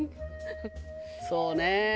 そうね。